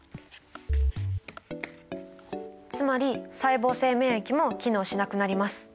つまり細胞性免疫も機能しなくなります。